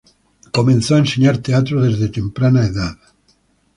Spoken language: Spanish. Comenzó a enseñar teatro desde temprana edad.